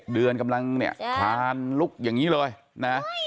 เดือนกำลังเนี่ยคลานลุกอย่างนี้เลยนะ